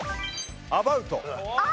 アバウト。